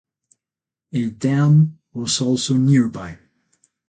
A dam was also nearby.